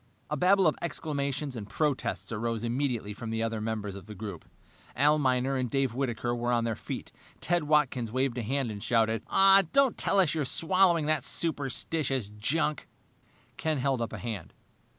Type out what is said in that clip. A babble of exclamations and protests arose immediately from the other members of the group. Al Miner and Dave Whitaker were on their feet. Ted Watkins waved a hand and shouted, "Don't tell us you're swallowing that superstitious junk!" Ken held up a hand.